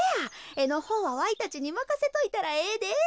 えのほうはわいたちにまかせといたらええで。